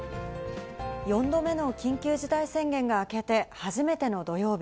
４度目の緊急事態宣言が明けて初めての土曜日。